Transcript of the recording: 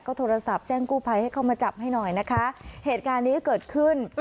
โทรศัพท์แจ้งกู้ภัยให้เข้ามาจับให้หน่อยนะคะเหตุการณ์นี้เกิดขึ้น